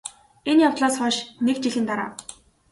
энэ явдлаас хойш НЭГ жилийн дараа